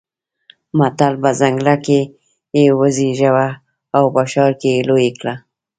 متل: په ځنګله کې يې وزېږوه او په ښار کې يې لوی کړه.